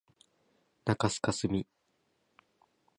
中須かすみ